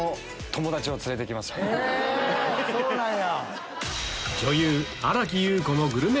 そうなんや！